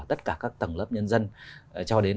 tất cả các tầng lớp nhân dân cho đến